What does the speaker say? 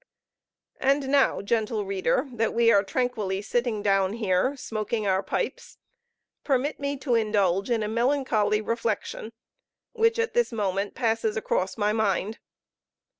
And now, gentle reader, that we are tranquilly sitting down here, smoking our pipes, permit me to indulge in a melancholy reflection which at this moment passes across my mind.